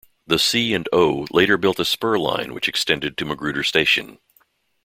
The C and O later built a spur line which extended to Magruder Station.